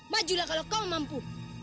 majulah kalau kau mampu